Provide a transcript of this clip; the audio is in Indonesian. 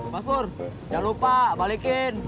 mas bur jangan lupa balikin